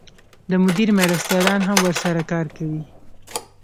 د مدیر مرستیالان هم ورسره کار کوي.